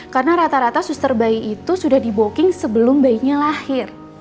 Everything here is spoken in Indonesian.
karena rata rata suster bayi itu sudah di booking sebelum bayinya lahir